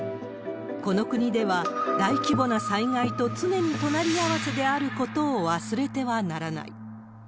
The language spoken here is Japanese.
この国では大規模な災害と常に隣り合わせであることを忘れてはな